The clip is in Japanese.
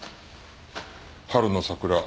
春の桜。